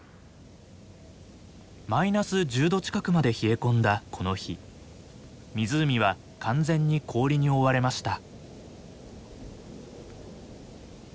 マイナス１０度近くまで冷え込んだこの日湖は完全に氷に覆われました。